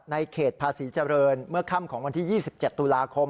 ในเขตภาษีเจริญเมื่อค่ำของวันที่๒๗ตุลาคม